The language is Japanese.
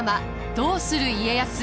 「どうする家康」。